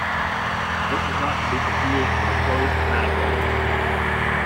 This is not to be confused with a closed manifold.